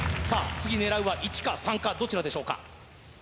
次狙うは１か３かどちらでしょうか？